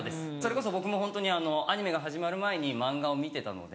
それこそ僕もホントにアニメが始まる前に漫画を見てたので。